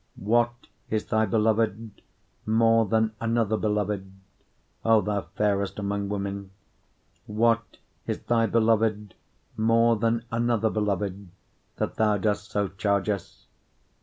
5:9 What is thy beloved more than another beloved, O thou fairest among women? what is thy beloved more than another beloved, that thou dost so charge us?